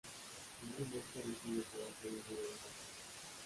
Finalmente, decide quedarse a vivir en ese país.